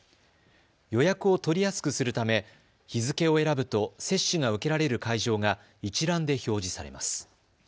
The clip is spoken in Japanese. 予約を取りやすくするため日付を選ぶと接種が受けられる会場が一覧で表示されます。